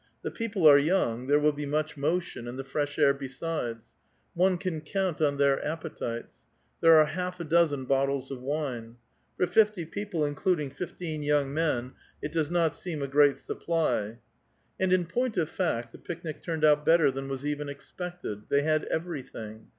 The people are young, there will be much motion, JJ^cl the fresh air besides ; one can count on their appotites. . "^^re are half a dozen bottles of wine. For fifty people, m^luding fifteen young men, it does not seem a great ^^i>ply! And, in point of fact, the picnic turned out better than y^s even expected. They had everything.